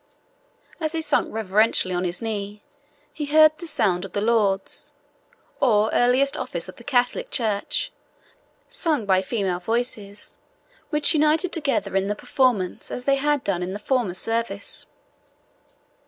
As he sunk reverentially on his knee, he heard the sound of the lauds, or earliest office of the Catholic Church, sung by female voices, which united together in the performance as they had done in the former service.